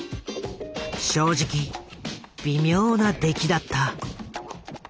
正直微妙な出来だった。